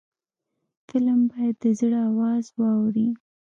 فلم باید د زړه آواز واوري